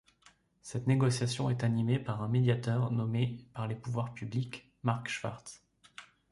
Cette négociation est animée par un médiateur nommé par les pouvoirs publics, Marc Schwartz.